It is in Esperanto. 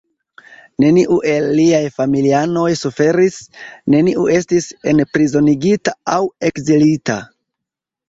Neniu el liaj familianoj suferis; neniu estis enprizonigita aŭ ekzilita.